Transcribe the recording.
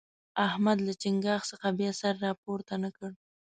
احمد له چينګاښ څخه بیا سر راپورته نه کړ.